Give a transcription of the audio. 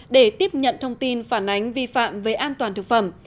để tiếp nhận thông tin phản ánh vi phạm về an toàn thực phẩm